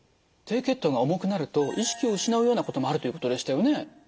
低血糖が重くなると意識を失うようなこともあるということでしたよね？